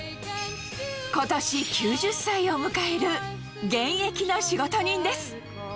ことし９０歳を迎える現役の仕事人です。